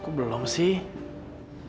kok belum sih